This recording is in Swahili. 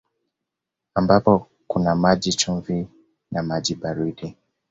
Ambapo kuna maji chumvi na maji baridi